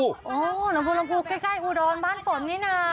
อ๋อหนองบัวลำภูใกล้อูดรบ้านฝนนี่น่ะ